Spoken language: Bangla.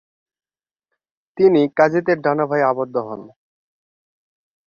তিনি কাদিজ-এর হাভানায় আবদ্ধ হন।